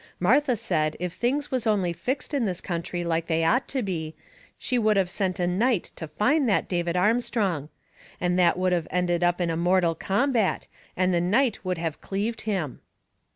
Martha said if things was only fixed in this country like they ought to be, she would of sent a night to find that David Armstrong. And that would of ended up in a mortal combat, and the night would have cleaved him.